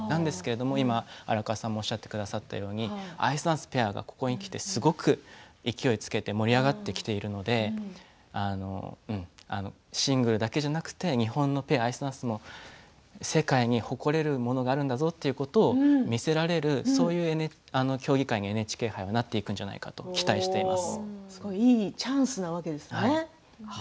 でも今、荒川さんもおっしゃってくださったようにアイスダンスとペアがここにきてすごく勢いをつけて盛り上がってきているのでシングルだけじゃなくて日本のペア、アイスダンスも世界に誇れるものがあるんだぞということを見せられるそういう競技会にＮＨＫ杯はなっていくんじゃないかなといいチャンスなわけですね。